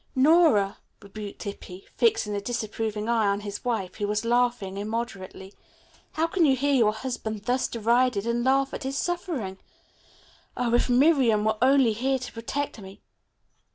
"Nora," rebuked Hippy, fixing a disapproving eye on his wife, who was laughing immoderately, "how can you hear your husband thus derided and laugh at his suffering? Oh, if Miriam were only here to protect me.